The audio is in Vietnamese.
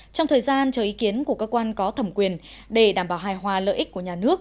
trong thời gian cho ý kiến của cơ quan có thẩm quyền để đảm bảo hài hòa lợi ích của nhà nước